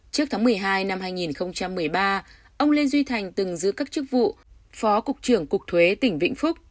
trước tháng một mươi hai năm hai nghìn một mươi ba ông lê duy thành từng giữ các chức vụ phó cục trưởng cục thuế tỉnh vĩnh phúc